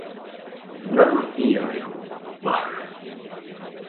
"Znam i ja ją, bah!..."